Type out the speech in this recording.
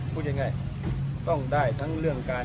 พูดง่ายต้องได้ทั้งเรื่องการ